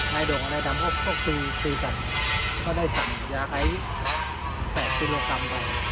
นายดงกับนายดำก็ตือกันก็ได้สั่งยาไข้๘๐กิโลกรัม